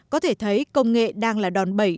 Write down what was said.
có thể thấy công nghệ đang là đòn bẩy